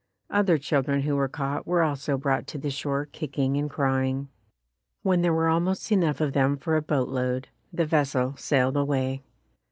Other children who were caught were also brought to the shore kick ing and crying. When there were almost enough of them for a boat load, the vessel sailed away.